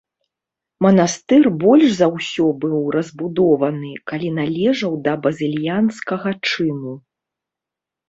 Манастыр больш за ўсё быў разбудованы, калі належаў да базыльянскага чыну.